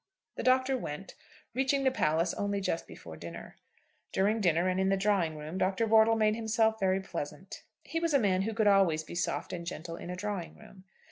The Doctor went, reaching the palace only just before dinner. During dinner and in the drawing room Dr. Wortle made himself very pleasant. He was a man who could always be soft and gentle in a drawing room.